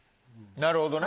なるほどね。